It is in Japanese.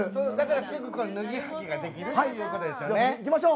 すぐに脱ぎ着ができるということですね。